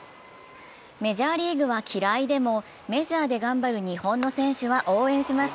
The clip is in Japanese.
メジャーリーグは嫌いでも、メジャーで頑張る日本の選手は応援します。